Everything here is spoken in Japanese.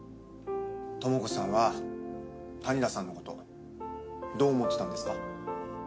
ともこさんは谷田さんのことどう思ってたんですか？